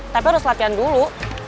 tapi harus latihan dulu